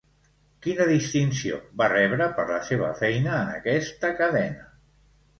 Quina distinció va rebre per la seva feina en aquesta cadena?